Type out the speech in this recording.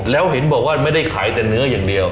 แล้วเห็นบอกว่าไม่ได้ขายแต่เนื้ออย่างเดียว